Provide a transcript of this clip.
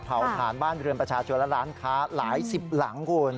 เผาผ่านบ้านเรือนประชาชนและร้านค้าหลายสิบหลังคุณ